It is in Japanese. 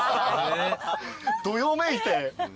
どよめいて。